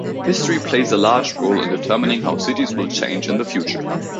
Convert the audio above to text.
History plays a large role in determining how cities will change in the future.